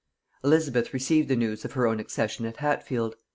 Elizabeth received the news of her own accession at Hatfield.